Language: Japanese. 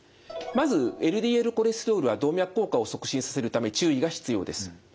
まずＬＤＬコレステロールは動脈硬化を促進させるため注意が必要です。